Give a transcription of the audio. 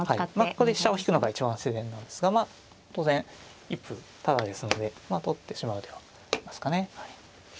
ここで飛車を引くのが一番自然なんですが当然一歩タダですので取ってしまう手もありますかね。